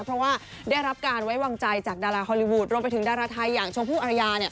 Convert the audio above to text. เพราะว่าได้รับการไว้วางใจจากดาราฮอลลีวูดรวมไปถึงดาราไทยอย่างชมพู่อรยา